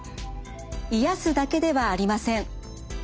癒やすだけではありません。